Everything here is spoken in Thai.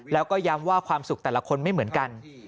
แล้วก็ย้ำว่าความสุขแต่ละคนไม่เหมือนกัน